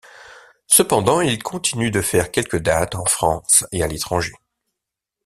Cependant, ils continuent de faire quelques dates, en France et à l'étranger.